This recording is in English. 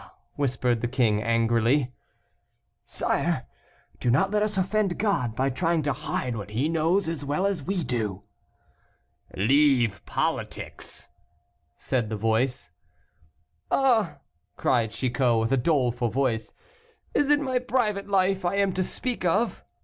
whispered the king, angrily. "Sire, do not let us offend God, by trying to hide what He knows as well as we do." "Leave politics," said the voice. "Ah!" cried Chicot, with a doleful voice, "is it my private life I am to speak of?"